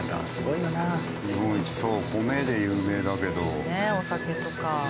そうねお酒とか。